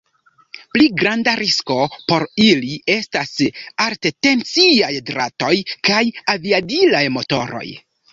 Pli granda risko por ili estas alttensiaj dratoj kaj aviadilaj motoroj.